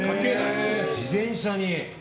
自転車に。